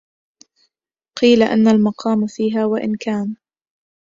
قيل إن المقام فيها وإن كان